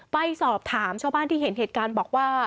ไปสอบถามชาวบ้านที่เห็นเหตุการณ์บอกว่า